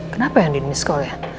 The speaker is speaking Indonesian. kenapa andien missed call ya